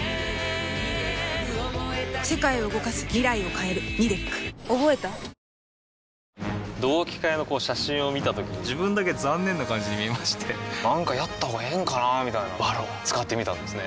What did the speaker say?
「カルピスＴＨＥＲＩＣＨ」同期会の写真を見たときに自分だけ残念な感じに見えましてなんかやったほうがええんかなーみたいな「ＶＡＲＯＮ」使ってみたんですね